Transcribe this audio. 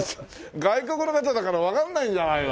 外国の方だからわかんないんじゃないの？